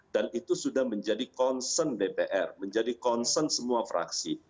dan itu sudah menjadi konsen dpr menjadi konsen semua fraksi